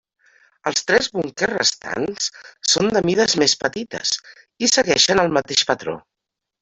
Els tres búnquers restants són de mides més petites i segueixen el mateix patró.